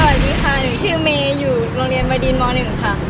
สวัสดีค่ะชื่อเมอยู่โรงเรียนวัยดีนหมอ๑ค่ะ